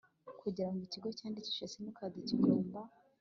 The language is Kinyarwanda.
kugira ngo ikigo cyandikishe simukadi kigomba